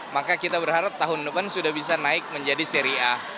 maka kita berharap tahun depan sudah bisa naik menjadi seri a